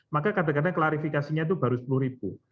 maka kadang kadang klarifikasinya itu baru sepuluh ribu